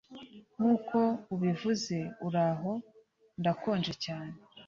nkuko ubivuze, "uraho," ndakonja cyane.